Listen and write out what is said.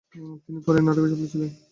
তিনি পৌরানিক নাটকে সফল ছিলেন।